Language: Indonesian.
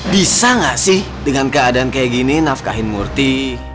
bisa nggak sih dengan keadaan kayak gini nafkahin murtih